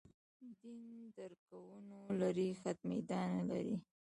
دین درکونو لړۍ ختمېدا نه لري.